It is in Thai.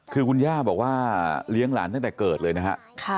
คือคุณย่าบอกว่าเลี้ยงหลานตั้งแต่เกิดเลยนะฮะ